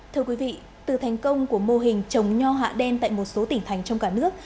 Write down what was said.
thưa quý vị từ thành công của mô hình trồng nho hạ đen tại một số tỉnh thành trong cả nước